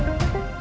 aku mau ke sana